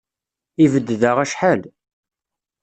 Ibedd da acḥal.